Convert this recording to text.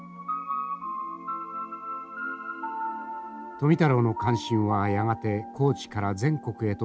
富太郎の関心はやがて高知から全国へと広がっていきます。